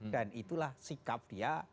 dan itulah sikap dia